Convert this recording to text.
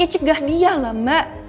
cegah dia lah mbak